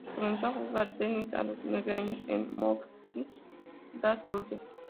Comenzó a jugar tenis a los nueve años en Mogi das Cruzes.